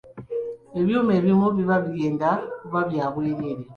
Ebyuma ebimu biba bigenda kuba bya bwereere.